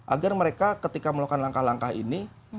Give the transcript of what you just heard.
agar mereka ketika melakukan langkah langkah ini